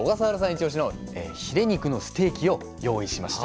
イチオシのヒレ肉のステーキを用意しました。